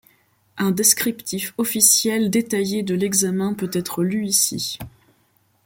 Un descriptif officiel détaillé de l'examen peut être lu ici.